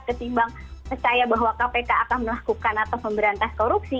ketimbang saya bahwa kpk akan melakukan atau pemberantasan korupsi